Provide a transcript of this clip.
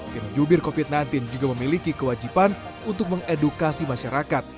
tim jubir covid sembilan belas juga memiliki kewajiban untuk mengedukasi masyarakat